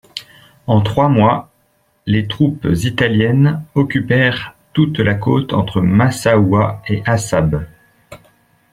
En trois mois, les troupes italiennes occupèrent toute la côte entre Massaoua et Assab.